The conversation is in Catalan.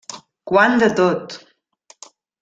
Quant de tot!